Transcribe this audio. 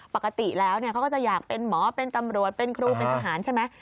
ปกติแล้วเขาก็จะอยากเป็นหมอเป็นตำรวจเป็นครูเป็นทหารใช่ไหม